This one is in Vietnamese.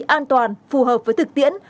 an toàn phù hợp với thực tiễn